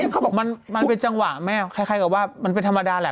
เขาบอกมันเป็นจังหวะแม่คล้ายกับว่ามันเป็นธรรมดาแหละ